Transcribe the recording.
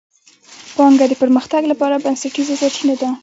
پانګه د پرمختګ لپاره بنسټیزه سرچینه ده.